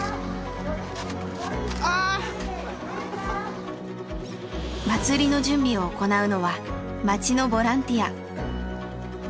あ！祭りの準備を行うのは町のボランティア。